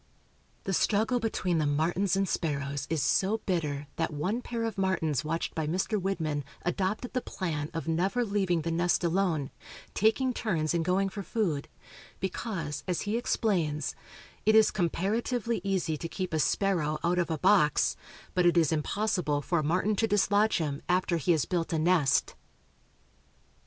The struggle between the martins and sparrows is so bitter that one pair of martins watched by Mr. Widmann adopted the plan of never leaving the nest alone, taking turns in going for food, because, as he explains, "it is comparatively easy to keep a sparrow out of a box, but it is impossible for a martin to dislodge him after he has built a nest."